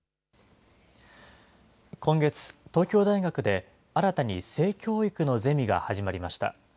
今月、東京大学で、新たに性教育のゼミが始まりました。